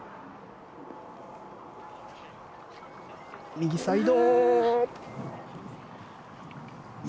右サイド。